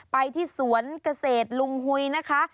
ไปที่สวนเกษตรลุงหุยนะคะ